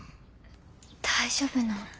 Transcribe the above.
大丈夫なん？